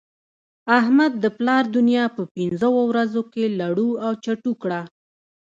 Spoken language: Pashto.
احمد د پلا دونيا په پنځو ورځو کې لړو او چټو کړه.